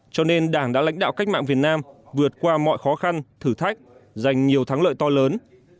cho nên đảng đã lãnh đạo cách mạng việt nam vượt qua mọi khó khăn thử thách giành nhiều thắng lợi to lớn